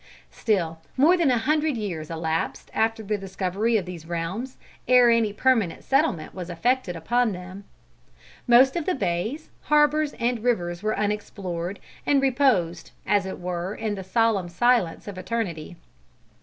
Still more than a hundred years elapsed after the discovery of these realms, ere any permanent settlement was effected upon them. Most of the bays, harbors and rivers were unexplored, and reposed as it were in the solemn silence of eternity.